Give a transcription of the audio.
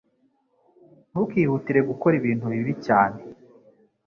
Ntukihutire gukora ibintu bibi cyane